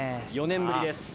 ４年ぶりです。